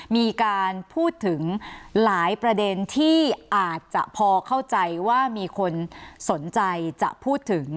มีการพูดถึงหลายประเด็นที่อาจจะพอเข้าใจว่ามีคนสนใจจะพูดถึง